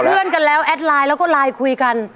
เพื่อนกันแล้วแอดไลน์แล้วก็ไลน์คุยกัน